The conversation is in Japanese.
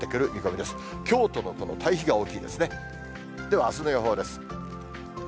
ではあすの予報です。